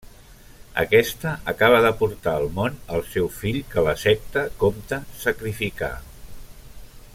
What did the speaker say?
Aquesta acaba de portar al món el seu fill que la secta compta sacrificar.